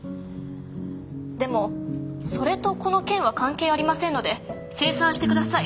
でもそれとこの件は関係ありませんので精算して下さい。